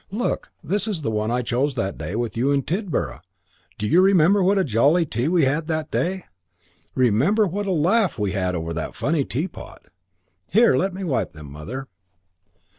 Look, this is the one I chose that day with you in Tidborough. Do you remember what a jolly tea we had that day? Remember what a laugh we had over that funny teapot. There, let me wipe them, Mother...."